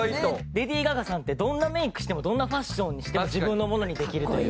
レディー・ガガさんってどんなメイクしてもどんなファッションにしても自分のものにできるというか。